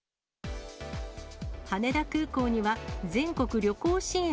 羽田空港には、全国旅行支援